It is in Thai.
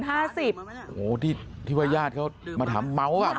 โอ้โฮที่ว่าญาติเขามาทำเมาหรือเปล่า